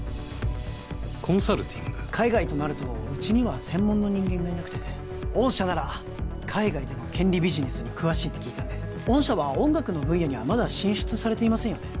海外となるとうちには専門の人間がいなくて御社なら海外での権利ビジネスに詳しいって聞いたんで御社は音楽の分野にはまだ進出されていませんよね